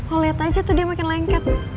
oh lihat aja tuh dia makin lengket